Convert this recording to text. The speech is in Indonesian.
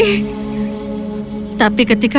tapi ketika itu sebuah lubang tersebut menyebabkan aku berdengkur